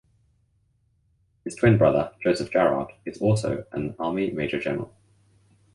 His twin brother Joseph Jarrard is also an army major general.